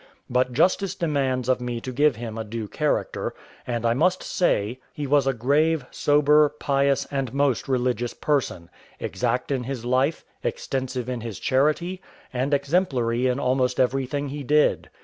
But justice demands of me to give him a due character; and I must say, he was a grave, sober, pious, and most religious person; exact in his life, extensive in his charity, and exemplary in almost everything he did.